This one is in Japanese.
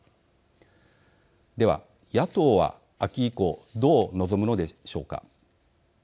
では、野党は秋以降どう臨むのでしょうか。